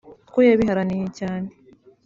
kuko yabiharaniye cyane